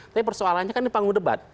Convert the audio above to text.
tapi persoalannya kan di panggung debat